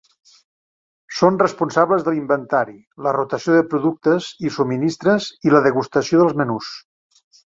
Són responsables de l'inventari, la rotació de productes i subministres, i la degustació dels menús.